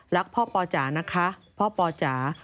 รักพ่อปอจ๋านะคะพ่อปอจ๋า